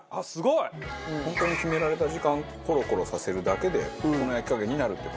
本当に決められた時間コロコロさせるだけでこの焼き加減になるって事。